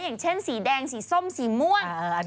อย่างเช่นสีแดงสีส้มสีม่วง